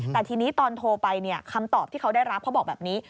แต่ทีนี้ตอนโทรไปคำตอบที่เขาได้รับเขาบอกแบบนี้